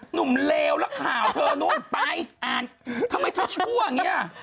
หนุ่มเลวนักข่าวเธอนู้นไปอ่านทำไมเธอชั่วอย่างนี้